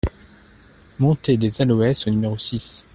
Montée des Aloès au numéro six